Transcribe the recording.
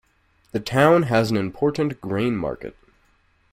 The town has an important grain market.